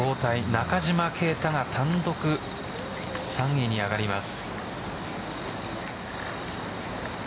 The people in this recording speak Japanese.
中島啓太が単独３位に上がります。